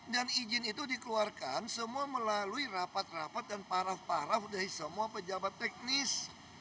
dan izin itu dikeluarkan semua melalui rapat rapat dan paraf paraf dari semua pejabat teknis